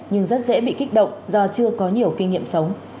nhưng rất dễ bị kích động do chưa có nhiều kinh nghiệm sống